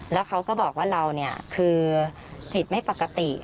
แล้วเขาก็บอกว่าเราเนี่ยคือจิตไม่ปกติ